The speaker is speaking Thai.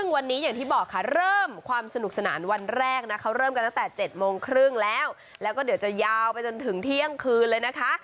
ซึ่งวันนี้อย่างที่บอกค่ะเริ่มความสนุกสนานวันแรกนะเขาเริ่มกันตั้งแต่๗โมงครึ่งแล้วแล้วก็เดี๋ยวจะยาวไปจนถึงเที่ยงคืนเลยนะคะ